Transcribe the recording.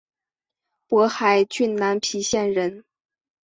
勃海郡南皮县人。